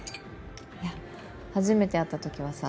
いや初めて会ったときはさ